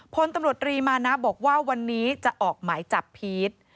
พลตำรวจรีมานะบอกว่าวันนี้จะออกหมายจับพีช